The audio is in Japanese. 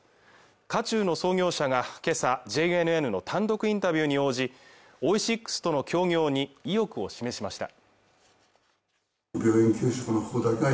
渦中の創業者が今朝ＪＮＮの単独インタビューに応じオイシックスとの協業に意欲を示しました